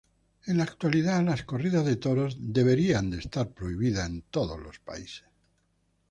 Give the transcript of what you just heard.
En la actualidad, las corridas de toros están prohibidas en muchos países.